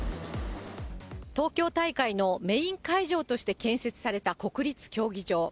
東京大会のメイン会場として建設された国立競技場。